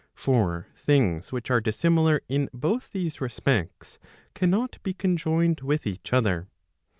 For things which are dissimilar in both these respects, cannot be conjoined with each other.